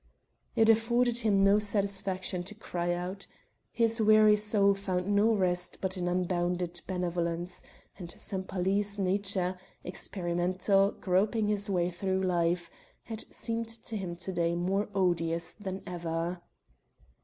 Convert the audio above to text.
It afforded him no satisfaction to cry out. His weary soul found no rest but in unbounded benevolence, and Sempaly's nature experimental, groping his way through life had seemed to him to day more odious than ever.